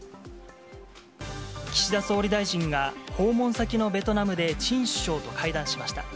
岸田総理大臣が訪問先のベトナムでチン首相と会談しました。